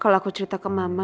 kalau aku cerita ke mama